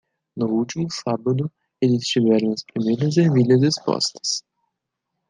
No último sábado eles tiveram as primeiras ervilhas expostas.